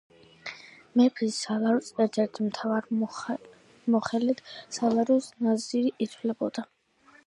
მეფის სალაროს ერთ-ერთ მთავარ მოხელედ სალაროს ნაზირი ითვლებოდა.